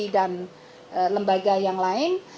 dan lembaga yang lain